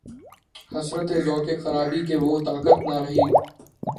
حسرت! اے ذوقِ خرابی کہ‘ وہ طاقت نہ رہی